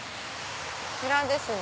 こちらですね。